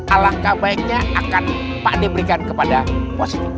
alangkah baiknya akan pak de berikan kepada upositi